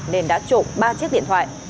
nên đã trộm ba chiếc điện thoại